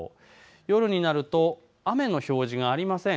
夜になると、雨の表示がありません。